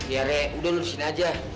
ya ray udah lu di sini aja